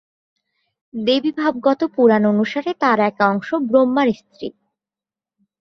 দেবীভাগবত পুরাণ অনুসারে তার এক অংশ ব্রহ্মার স্ত্রী।